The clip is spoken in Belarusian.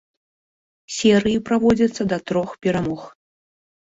Серыі праводзяцца да трох перамог.